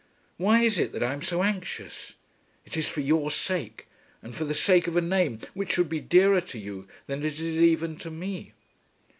Why is it that I am so anxious? It is for your sake, and for the sake of a name which should be dearer to you than it is even to me."